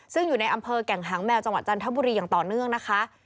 ซึ่งอยู่ในอำเภอแก่งหางแมวจังหวัดจันทบุรีอย่างต่อเนื่องนะคะ